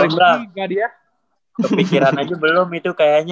kepikiran aja belum itu kayaknya